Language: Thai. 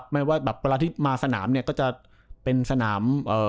ไม่ว่าแบบเวลาที่มาสนามเนี่ยก็จะเป็นสนาม